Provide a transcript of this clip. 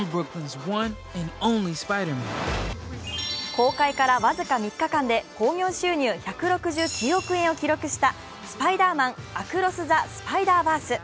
公開から僅か３日間で興行収入１６９億円を記録した「スパイダーマン：アクロス・ザ・スパイダーバース」